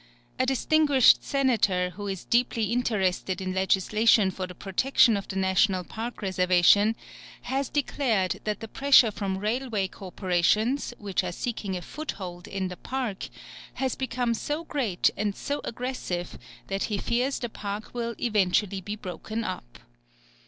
A distinguished Senator, who is deeply interested in legislation for the protection of the National Park reservation, has declared that the pressure from railway corporations, which are seeking a foot hold in the park, has become so great and so aggressive that he fears the park will "eventually be broken up."